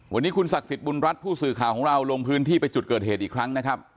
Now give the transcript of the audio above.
วันนี้คุณศักดิ์สิทธิบุญรัฐผู้สื่อข่าวของเราลงพื้นที่ไปจุดเกิดเหตุอีกครั้งนะครับ